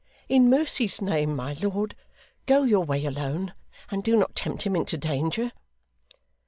In mercy's name, my lord, go your way alone, and do not tempt him into danger!